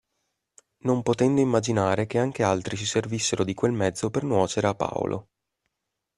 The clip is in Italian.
Non potendo immaginare che anche altri si servissero di quel mezzo per nuocere a Paolo.